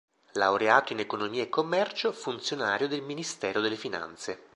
Laureato in economia e commercio; funzionario del Ministero delle Finanze.